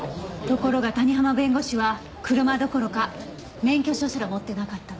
ところが谷浜弁護士は車どころか免許証すら持ってなかったの。